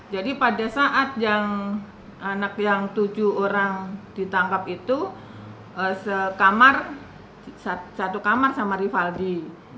jadi pada saat anak yang tujuh orang ditangkap itu satu kamar sama rivaldi